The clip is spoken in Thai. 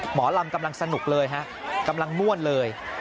หมอลำกำลังสนุกเลยฮะกำลังม่วนเลย